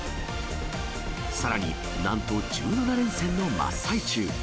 さらになんと１７連戦の真っ最中。